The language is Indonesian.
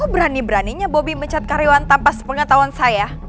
berani beraninya bobby mencat karyawan tanpa sepengetahuan saya